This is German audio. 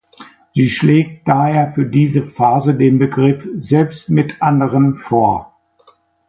Sie schlägt daher für diese Phase den Begriff „Selbst mit Anderen“ vor.